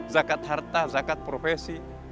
zakat harta zakat profesi